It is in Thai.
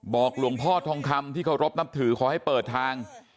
หลวงพ่อทองคำที่เคารพนับถือขอให้เปิดทาง